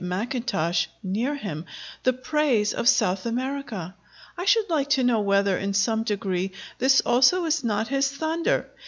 Mackintosh] near him, the praise of South America. I should like to know whether, in some degree, this also is not his thunder.